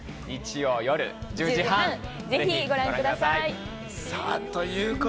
日曜夜１０時半、ぜひご覧ください。